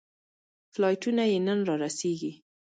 فلایټونه یې نن رارسېږي.